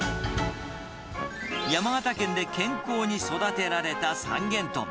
山形県で健康に育てられた三元豚。